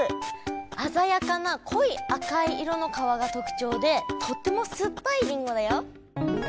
あざやかなこい赤い色の皮が特ちょうでとっても酸っぱいりんごだよ。